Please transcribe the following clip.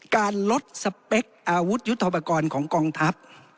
การลดสเปคอาวุธยุทธปกรณ์ของกองทัพ